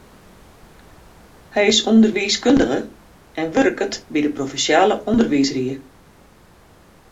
Hy is ûnderwiiskundige en wurket by de provinsjale ûnderwiisrie.